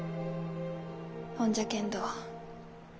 ほんじゃけんど